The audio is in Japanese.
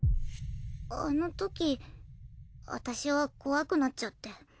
あのとき私は怖くなっちゃって。